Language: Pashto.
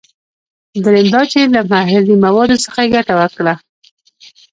دریم دا چې له محلي موادو څخه یې ګټه وکړه.